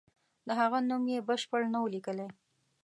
د هغه نوم یې بشپړ نه وو لیکلی.